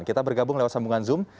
kita bergabung lewat sambungan zoom